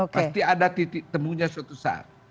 pasti ada titik temunya suatu saat